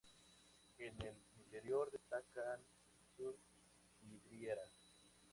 En el interior destacan sus vidrieras.